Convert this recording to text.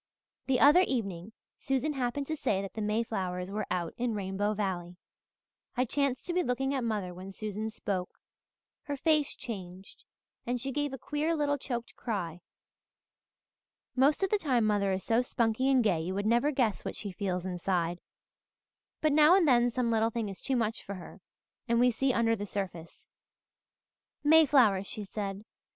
"The other evening Susan happened to say that the mayflowers were out in Rainbow Valley. I chanced to be looking at mother when Susan spoke. Her face changed and she gave a queer little choked cry. Most of the time mother is so spunky and gay you would never guess what she feels inside; but now and then some little thing is too much for her and we see under the surface. 'Mayflowers!' she said.